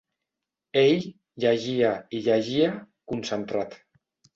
Ell llegia i llegia, concentrat.